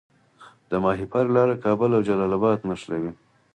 د ماهیپر لاره کابل او جلال اباد نښلوي